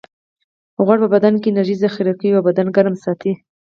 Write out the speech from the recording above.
غوړ په بدن کې انرژي ذخیره کوي او بدن ګرم ساتي